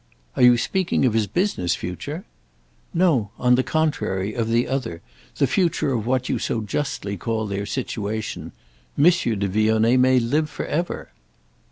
"Are you speaking of his business future?" "No—on the contrary; of the other, the future of what you so justly call their situation. M. de Vionnet may live for ever."